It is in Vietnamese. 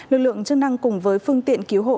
lực lượng chức năng cùng với phương tiện cứu hộ